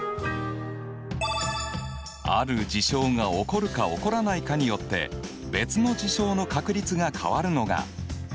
ある事象が起こるか起こらないかによって別の事象の確率が変わるのが条件付き確率。